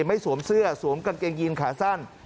สวมเสื้อสวมกางเกงยีนขาสั้น